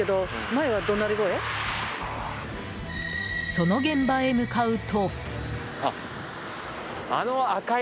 その現場へ向かうと。